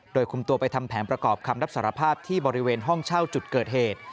โดยคุมตัวไปทำแผนประกอบคำรับสารภาพที่บริเวณห้องเช่าจุดเกิดเหตุ